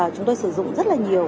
chúng tôi sử dụng rất là nhiều